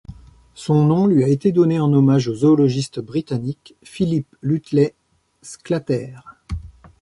Son nom lui a été donné en hommage au zoologiste britannique Philip Lutley Sclater.